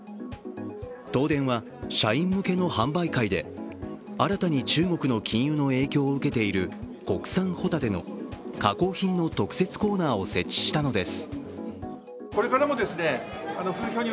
東電は社員向けの販売会で新たに中国の禁輸の影響を受けている国産ホタテの加工品の特設コーナーを設置したのです。